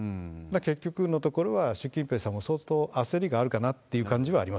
結局のところは習近平さんも相当焦りがあるかなっていう感じはあ